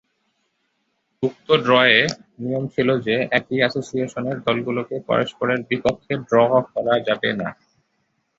উক্ত ড্রয়ে নিয়ম ছিল যে একই অ্যাসোসিয়েশনের দলগুলোকে পরস্পরের বিপক্ষে ড্র করা যাবে না।